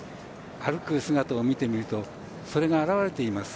歩く姿を見てみるとそれが現れています。